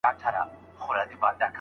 آیا د ژوند خوښي تر هر څه ارزښتناکه ده؟